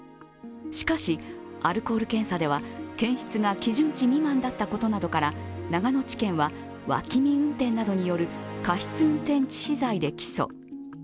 しかしアルコール検査では検出が基準値未満だったことなどから長野地検は脇見運転などによる過失運転致死罪で起訴。